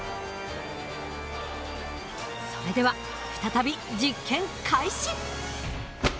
それでは再び実験開始！